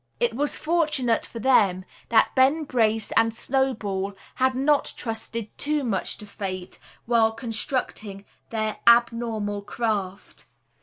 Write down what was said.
It was fortunate for them that Ben Brace and Snowball had not trusted too much to fate while constructing their abnormal craft.